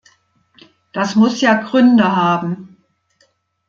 Das muss ja Gründe haben.